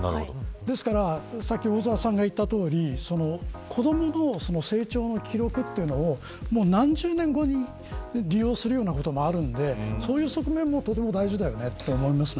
ですから、さっき大空さんが言ったとおり子どもの成長の記録というのを何十年後に利用するようなこともあるのでそういう側面もとても大事だよねと思いますね。